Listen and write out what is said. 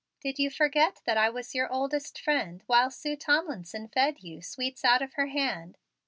Did you forget that I was your oldest friend while Sue Tomlinson fed you sweets out of her hand?"